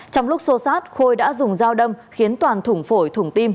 trong lúc xô sát khôi đã dùng dao đâm khiến toàn thủng phổi thủng tim